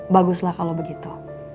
baguslah kalau begitu